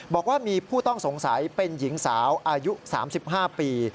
บอกว่ามีผู้ต้องสงสัยเป็นหญิงสาวอายุ๓๕ปี